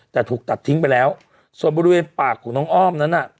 แต่ถูกตัดทิ้งไปแล้วส่วนบริเวณปากของน้องอ้อมนั้นน่ะ